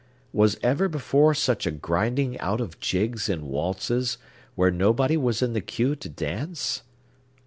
Was ever before such a grinding out of jigs and waltzes, where nobody was in the cue to dance?